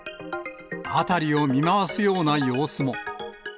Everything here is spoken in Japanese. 辺りを見回すような様子も。